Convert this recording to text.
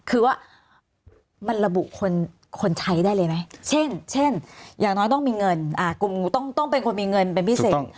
คือว่ามันระบุคนใช้ได้เลยไหมเช่นอย่างน้อยต้องมีเงินกลุ่มต้องเป็นคนมีเงินเป็นพิเศษ